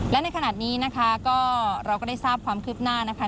และในขณะนี้นะคะก็เราก็ได้ทราบความคืบหน้านะคะ